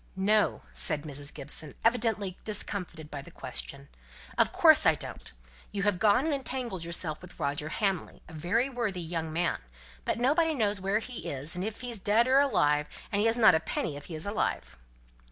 "No," said Mrs. Gibson, evidently discomfited by the question. "Of course I don't; you have gone and entangled yourself with Roger Hamley, a very worthy young man; but nobody knows where he is, and if he's dead or alive; and he has not a penny if he is alive."